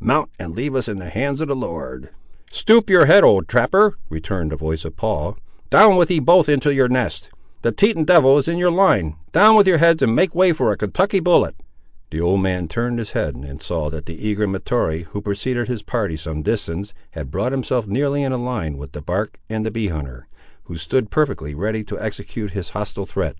Mount, and leave us in the hands of the Lord." "Stoop your head, old trapper," returned the voice of Paul, "down with ye both into your nest. The Teton devil is in your line; down with your heads and make way for a Kentucky bullet." The old man turned his head, and saw that the eager Mahtoree, who preceded his party some distance, had brought himself nearly in a line with the bark and the bee hunter, who stood perfectly ready to execute his hostile threat.